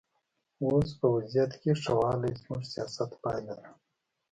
اوس په وضعیت کې ښه والی زموږ سیاست پایله ده.